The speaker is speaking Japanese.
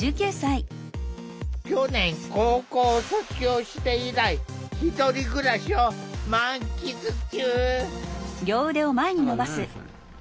去年高校を卒業して以来１人暮らしを満喫中。